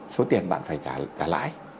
số tiền bạn phải trả lãi